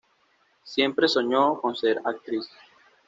Siempre soñó con ser actriz.